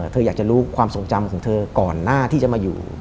เธออยากจะรู้ความทรงจำของเธอก่อนหน้าที่จะมาอยู่